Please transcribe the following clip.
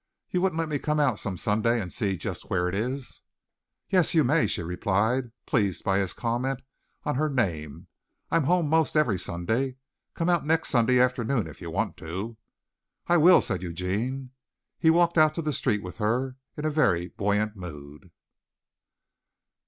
You wouldn't let me come out some Sunday and see just where it is?" "Yes, you may," she replied, pleased by his comment on her name. "I'm home most every Sunday. Come out next Sunday afternoon, if you want to." "I will," said Eugene. He walked out to the street with her in a very buoyant mood.